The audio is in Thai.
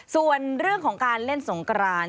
ส่วนเรื่องของการเล่นสงกราน